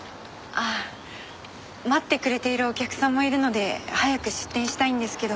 あ待ってくれているお客さんもいるので早く出店したいんですけど。